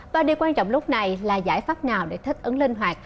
và điều quan trọng lúc này là giải pháp nào để thích ứng linh hoạt